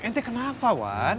eh kamu kenapa wan